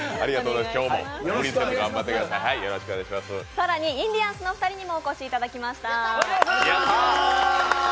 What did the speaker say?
更にインディアンスのお二人にもお越しいただきました。